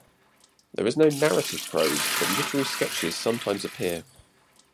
There is no narrative prose but literary sketches sometimes appear.